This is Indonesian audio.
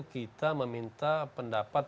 kita meminta pendapat